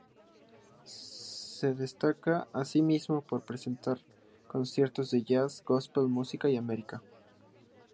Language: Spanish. Se destaca asimismo por presentar conciertos de jazz, gospel y música americana.